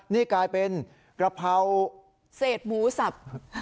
นี่กลายเป็นกระเพราเศษหมูสับ